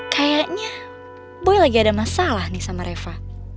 kayaknya boy lagi ada masalah nih sama reva